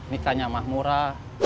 nikahnya mah murah